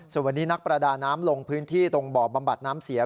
ส่วนวันนี้นักประดาน้ำลงพื้นที่ตรงบ่อบำบัดน้ำเสีย